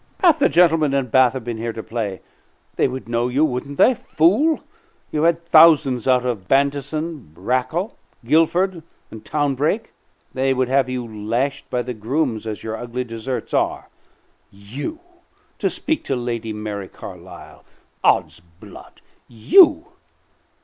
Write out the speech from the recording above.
"Half the gentlemen in Bath have been here to play. They would know you, wouldn't they, fool? You've had thousands out of Bantison, Rakell, Guilford, and Townbrake. They would have you lashed by the grooms as your ugly deserts are. You to speak to Lady Mary Carlisle! 'Od's blood! You!